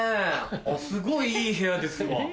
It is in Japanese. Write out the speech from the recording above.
あっすごいいい部屋ですわ。